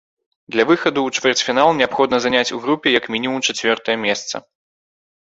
Для выхаду ў чвэрцьфінал неабходна заняць у групе як мінімум чацвёртае месца.